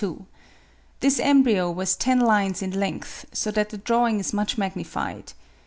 This embryo was ten lines in length, so that the drawing is much magnified.